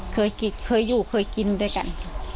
เคยอยู่เคยกินด้วยกัน